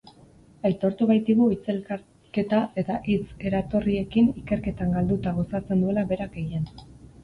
Aitortu baitigu hitz elkarketa eta hitz eratorriekin ikeketan galduta gozatzen duela berak gehien.